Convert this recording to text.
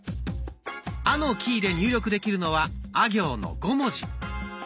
「あ」のキーで入力できるのは「あ」行の５文字。